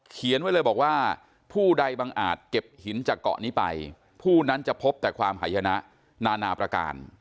เขียนไว้เลยบอกว่าผู้ใดบังอาจเก็บหินจากเกาะนี้ไปผู้นั้นจะพบแต่ความหายนะนานาประการ